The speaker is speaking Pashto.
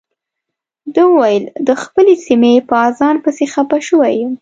ده وویل د خپلې سیمې په اذان پسې خپه شوی یم.